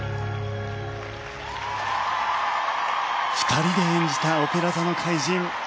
２人で演じた『オペラ座の怪人』。